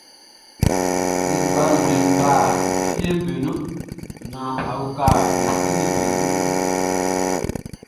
Be fa nzue ba fieʼm be nun naan be fa uka be si ni be ni mun.